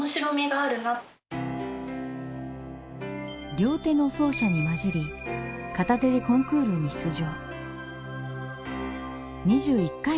両手の奏者に混じり片手でコンクールに出場。